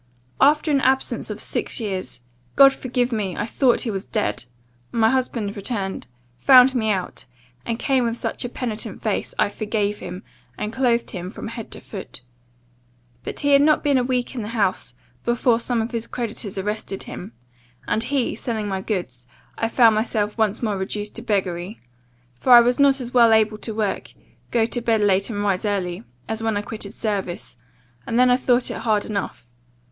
"'After an absence of six years (God forgive me! I thought he was dead) my husband returned; found me out, and came with such a penitent face, I forgave him, and clothed him from head to foot. But he had not been a week in the house, before some of his creditors arrested him; and, he selling my goods, I found myself once more reduced to beggary; for I was not as well able to work, go to bed late, and rise early, as when I quitted service; and then I thought it hard enough.